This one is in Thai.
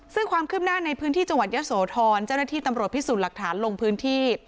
ซึ่งความคืบหน้าในพื้นที่จังหวัดเยอะโสธรเจ้าหน้าที่ตำรวจพิสูจน์หลักฐานลงพื้นที่